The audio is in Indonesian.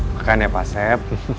makan ya pak asep